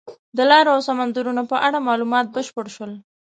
د لارو او سمندرونو په اړه معلومات بشپړ شول.